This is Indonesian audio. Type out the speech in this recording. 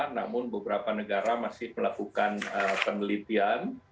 namun beberapa negara masih melakukan penelitian